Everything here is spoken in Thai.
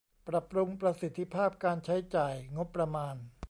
ปรับปรุงประสิทธิภาพการใช้จ่ายงบประมาณ